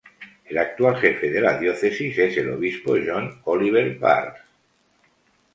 El actual jefe de la Diócesis es el Obispo John Oliver Barres.